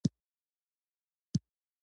یوازې د ځانګړو وړاندیزونو کڅوړې وګوره